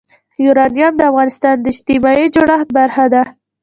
یورانیم د افغانستان د اجتماعي جوړښت برخه ده.